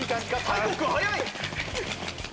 大光君早い！